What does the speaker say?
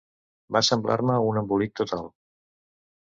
Va semblar-me un embolic total.